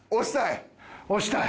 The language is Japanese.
押したい？